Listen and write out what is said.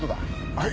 はい。